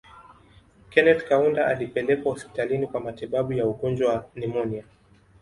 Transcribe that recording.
Kenneth Kaunda alipelekwa hospitalini kwa matibabu ya ugonjwa wa nimonia